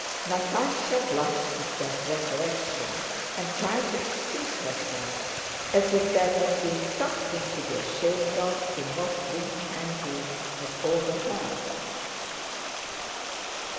Natásha blushed at that recollection and tried to excuse herself, as if there had been something to be ashamed of in what Prince Andrew had overheard.